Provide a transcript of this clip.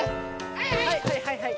はいはいはいはい。